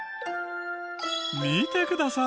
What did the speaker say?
見てください。